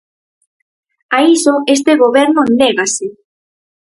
A iso este Goberno négase.